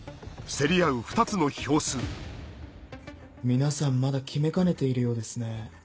皆さんまだ決めかねているようですね。